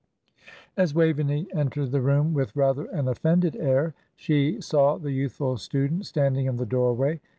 As Waveney entered the room with rather an offended air, she saw the youthful student standing in the doorway.